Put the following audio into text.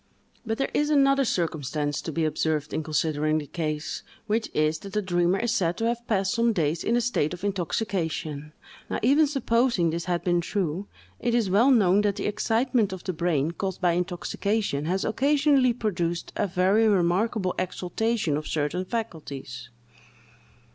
But there is another circumstance to be observed in considering the case, which is, that the dreamer is said to have passed some days in a state of intoxication. Now, even supposing this had been true, it is well known that the excitement of the brain caused by intoxication has occasionally produced a very remarkable exaltation of certain faculties.